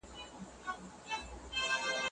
هغه د ساینس په لابراتوار کي کار کاوه.